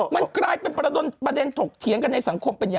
มีเป็รีไหมมี